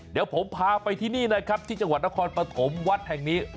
เดี๋ยวผมพาไปที่นี่นะครับที่จังหวัดนครปฐมวัดแห่งนี้